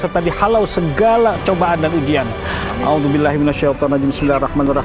serta dihalau segala cobaan dan ujian audzubillahiminasya allah jinnah rahman